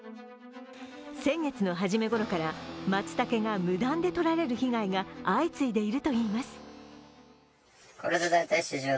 先月の初めごろからまつたけが無断に採られる被害が相次いでいるといいます。